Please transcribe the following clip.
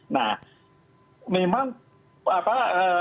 nah memang apa